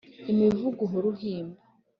imivugo uhora uhimba